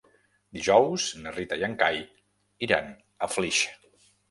Dijous na Rita i en Cai iran a Flix.